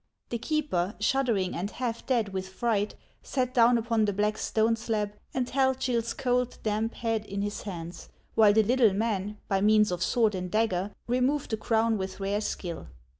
The keeper, shuddering and half dead with fright, sat down upon the black stone slab, and held Gill's cold, damp head in his hands, while the little man, by means of sword and dagger, removed the crown with rare skill.